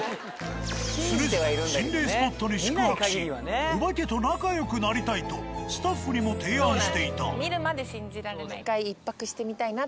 常々心霊スポットに宿泊しお化けと仲よくなりたいとスタッフにも提案していた。